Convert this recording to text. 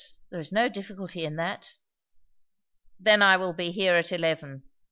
There is no difficulty in that." "Then I will be here at eleven.